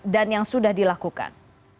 dan yang sudah dilakukan